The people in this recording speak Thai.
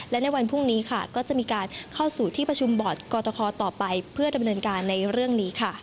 และในวันพรุ่งนี้ค่ะก็จะมีการเข้าสู่ที่ประชุมบอร์ดกรตคอต่อไปเพื่อดำเนินการในเรื่องนี้ค่ะ